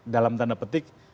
dalam tanda petik